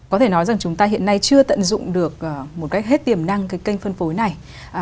có thể nói rằng chúng ta hiện nay chưa tận dụng được một cách hết tiềm năng cái kênh phân phối này